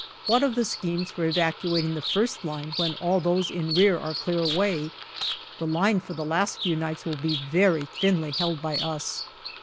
What of the schemes for evacuating the first line when all those in rear are clear away ? The line for the last few nights will be very thinly held by us.